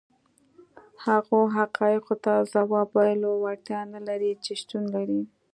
هغو حقایقو ته ځواب ویلو وړتیا نه لري چې شتون لري.